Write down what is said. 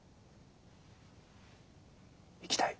生きたい。